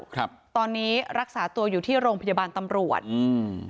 ครับตอนนี้รักษาตัวอยู่ที่โรงพยาบาลตำรวจอืม